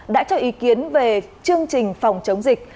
đã cho ý kiến về chương trình phòng chống dịch